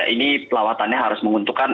ini lawatannya harus menguntukkan